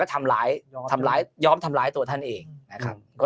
ทำร้ายทำร้ายย้อมทำร้ายตัวท่านเองนะครับก็